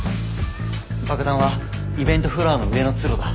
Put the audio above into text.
爆弾はイベントフロアの上の通路だ。